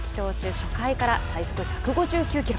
初回から最速１５９キロ。